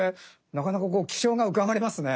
なかなか気性がうかがわれますね。